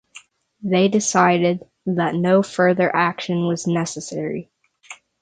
They decided that no further action was necessary.